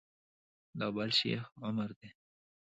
دا بل شیخ عمر دی.